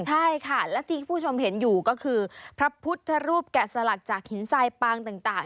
ใช่ค่ะและที่คุณผู้ชมเห็นอยู่ก็คือพระพุทธรูปแกะสลักจากหินทรายปางต่าง